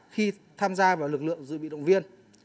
khi tham gia vào lực lượng dự bị động viên